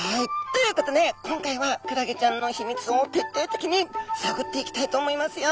ということで今回はクラゲちゃんの秘密をてっていてきにさぐっていきたいと思いますよ。